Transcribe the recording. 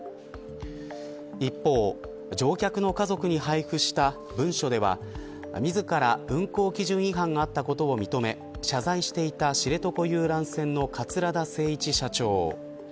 一方、乗客の家族に配布した文書では自ら運航基準違反があったことを認め謝罪していた知床遊覧船の桂田精一社長。